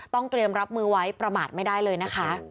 เตรียมรับมือไว้ประมาทไม่ได้เลยนะคะ